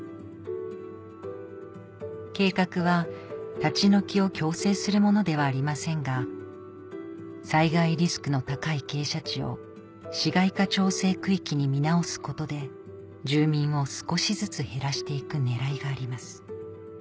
計画は立ち退きを強制するものではありませんが災害リスクの高い傾斜地を市街化調整区域に見直すことで住民を少しずつ減らして行く狙いがあります